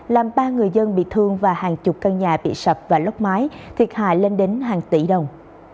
làm ba người dân bị thương và hàng chục căn nhà bị sập và lốc máy thiệt hại lên đến hàng tỷ đồng